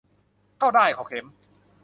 เข้าด้ายเข้าเข็ม